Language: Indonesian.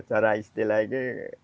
cara istilahnya ini